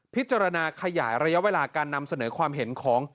พิจารณาขยายระยะเวลาการนำเสนอความเห็นของ